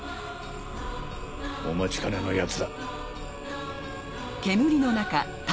お待ちかねのヤツだ。